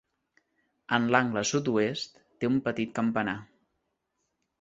En l'angle sud-oest, té un petit campanar.